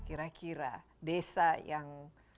kira kira desa yang